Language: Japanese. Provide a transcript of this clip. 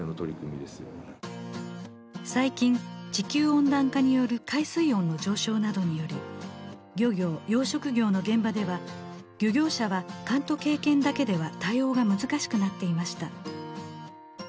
最近地球温暖化による海水温の上昇などにより漁業養殖業の現場では漁業者は勘と経験だけでは対応が難しくなっていました。